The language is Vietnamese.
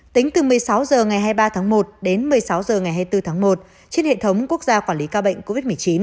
tính từ một mươi sáu h ngày hai mươi ba tháng một đến một mươi sáu h ngày hai mươi bốn tháng một trên hệ thống quốc gia quản lý ca bệnh covid một mươi chín